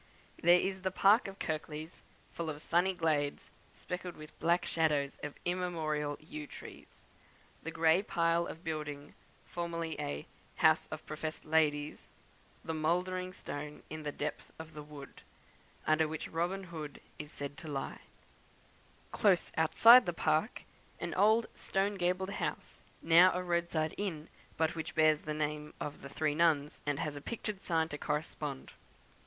There is the park of Kirklees, full of sunny glades, speckled with black shadows of immemorial yew trees; the grey pile of building, formerly a "House of professed Ladies;" the mouldering stone in the depth of the wood, under which Robin Hood is said to lie; close outside the park, an old stone gabled house, now a roadside inn, but which bears the name of the "Three Nuns," and has a pictured sign to correspond.